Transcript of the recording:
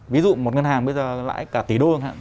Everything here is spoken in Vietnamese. ví dụ một ngân hàng bây giờ lãi cả tỷ đô